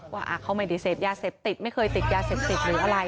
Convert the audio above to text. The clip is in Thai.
ว่าเขาไม่ได้เสพยาเสพติดไม่เคยติดยาเสพติดหรืออะไร